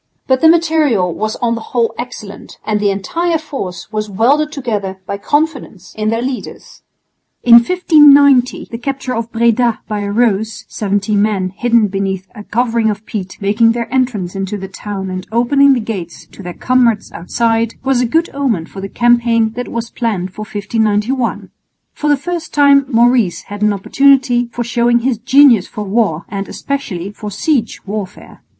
But the material was on the whole excellent, and the entire force was welded together by confidence in their leaders. In 1590 the capture of Breda by a ruse (seventy men hidden beneath a covering of peat making their entrance into the town and opening the gates to their comrades outside) was a good omen for the campaign that was planned for 1591. For the first time Maurice had an opportunity for showing his genius for war and especially for siege warfare.